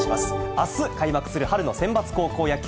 あす開幕する春のセンバツ高校野球。